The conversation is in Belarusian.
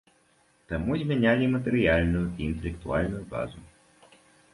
Таму змянялі і матэрыяльную, і інтэлектуальную базу.